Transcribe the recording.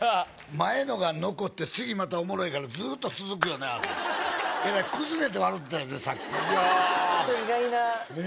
前のが残って次またおもろいからずっと続くよねえらい崩れて笑うてたよね